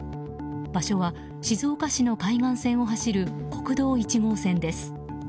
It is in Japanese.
場所は静岡市の海岸線を走る国道１号線です。